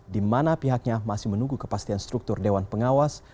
di mana pihaknya masih menunggu kepastian struktur dewan pengawas